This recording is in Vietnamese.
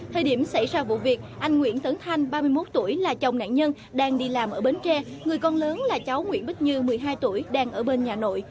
thời điểm xảy ra vụ việc anh nguyễn tấn thanh ba mươi một tuổi là chồng nạn nhân đang đi làm ở bến tre người con lớn là cháu nguyễn bích như một mươi hai tuổi đang ở bên nhà nội